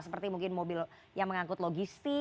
seperti mungkin mobil yang mengangkut logistik